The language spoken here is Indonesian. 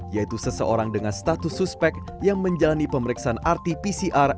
yaitu seseorang dengan status suspek yang menjalani pemeriksaan rt pcr